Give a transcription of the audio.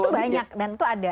nah dan itu banyak dan itu ada